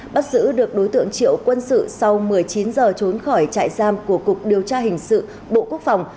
bắt giữ được đối tượng triệu quân sự sau một mươi chín giờ trốn khỏi trại giam của cục điều tra hình sự bộ quốc phòng